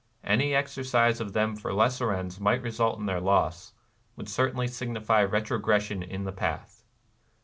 Any exercise of them for lesser ends might result in their loss, — would certainly signify retrogression in the path.